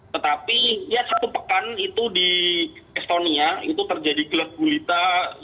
tetapi ya satu pekan itu di estonia itu terjadi gelat gulita